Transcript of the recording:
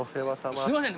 すいません